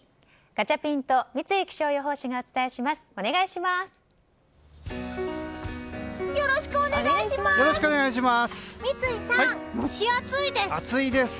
ガチャピンと三井気象予報士がお伝えします、お願いします。